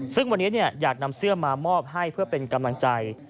ซึ่งวันนี้อยากนำเสื้อมามอบให้เพื่อเป็นกำลังใจ